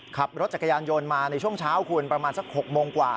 ขับรถจักรยานยนต์มาในช่วงเช้าคุณประมาณสัก๖โมงกว่า